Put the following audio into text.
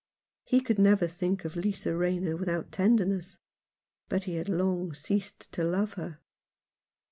He could never think of Lisa Rayner without tender ness ; but he had long ceased to love her.